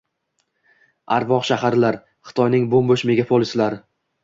Arvoh shaharlar: Xitoyning bo‘m-bo‘sh megapolislari